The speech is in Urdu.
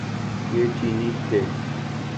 یہ چینی تھے۔